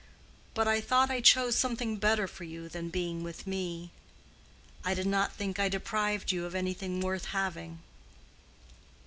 But I thought I chose something better for you than being with me. I did not think I deprived you of anything worth having."